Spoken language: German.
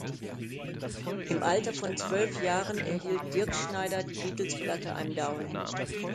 Im Alter von zwölf Jahren erhielt Dirkschneider die Beatles-Platte "I’m Down".